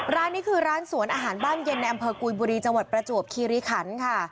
ร้านนี้คือร้านสวนอาหารบ้านเย็นในอำเภอกุยบุรีจังหวัดประจวบคีริขันค่ะ